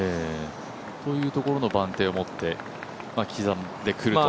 というところの番手を持って刻んでくるという。